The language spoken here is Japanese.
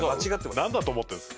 なんだと思ってるんですか？